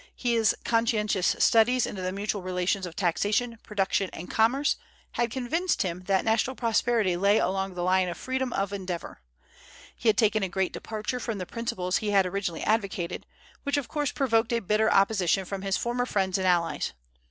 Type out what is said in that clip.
His conscientious studies into the mutual relations of taxation, production, and commerce had convinced him that national prosperity lay along the line of freedom of endeavor. He had taken a great departure from the principles he had originally advocated, which of course provoked a bitter opposition from his former friends and allies.